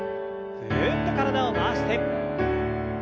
ぐるっと体を回して。